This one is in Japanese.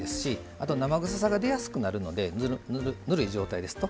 あと生臭さが出やすくなるのでぬるい状態ですと。